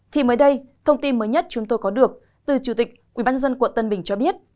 thì mới đây thông tin mới nhất chúng tôi có được từ chủ tịch ubnd quận tân bình cho biết